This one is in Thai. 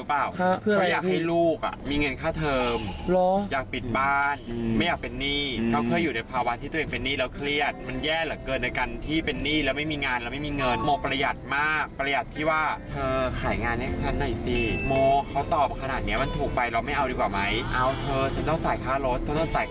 ประหยัดเพื่ออะไรรู้เปล่า